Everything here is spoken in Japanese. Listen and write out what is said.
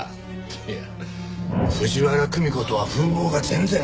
いや藤原久美子とは風貌が全然。